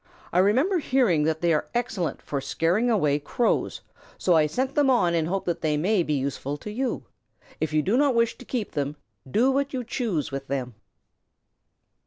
I remember hearing that they are excellent for scaring away Crows, so I send them on in the hope that they may be useful to you. If you do not wish to keep them, do what you choose with them."